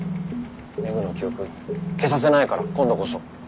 廻の記憶消させないから今度こそ。